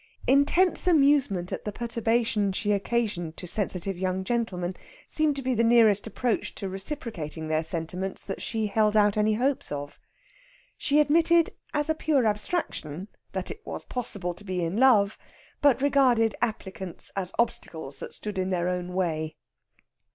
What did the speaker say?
Intense amusement at the perturbation she occasioned to sensitive young gentlemen seemed to be the nearest approach to reciprocating their sentiments that she held out any hopes of. She admitted as a pure abstraction that it was possible to be in love, but regarded applicants as obstacles that stood in their own way.